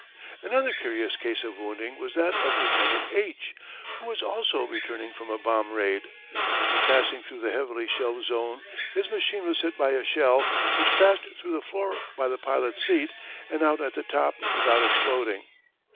Another curious case of wounding was that of Lieutenant H., who was also returning from a bomb raid. When passing through the heavily shelled zone his machine was hit by a shell, which passed through the floor by the pilot's seat and out at the top without exploding.